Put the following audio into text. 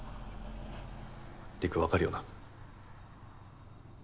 りくわかるよな？